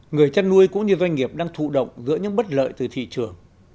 người chăn nuôi cũng như doanh nghiệp đang thụ động giữa những bất lợi từ thị trường